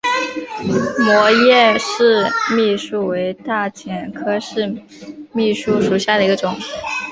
膜叶土蜜树为大戟科土蜜树属下的一个种。